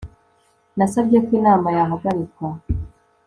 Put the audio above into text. Nasabye ko inama yahagarikwa